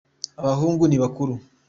ababahungu nibakuru